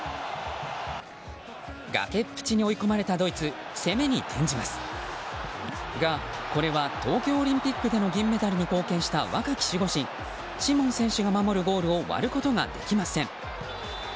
崖っぷちに追い込まれたドイツ攻めに転じます東京オリンピックでの銀メダルに貢献した若き守護神シモンが守るゴールを割ることができません。